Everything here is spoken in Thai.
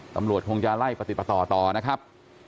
ตำรวจคงจะไล่ปฏิบัติต่อต่อนะครับ